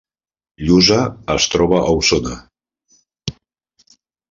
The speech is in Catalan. Lluça es troba a Osona